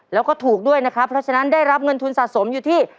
แล้วก็ถูกด้วยนะครับเพราะฉะนั้นได้รับเงินทุนสะสมอยู่ที่